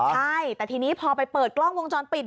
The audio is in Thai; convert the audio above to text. ใช่แต่ทีนี้พอไปเปิดกล้องวงจรปิด